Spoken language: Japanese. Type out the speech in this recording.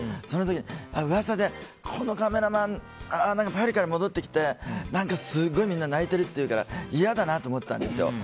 そうしたら噂でこのカメラマンパリから戻ってきて、すごいみんな泣いてるっていうから嫌だなと思ったんですよ。